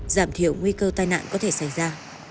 giảm thiểu nguy cơ tai nạn có thể xảy ra